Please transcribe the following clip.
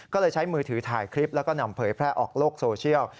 ก็เลยใช้มือถือถ่ายคลิปแล้วก็นำเผยแพร่ออกโลกโซเชียล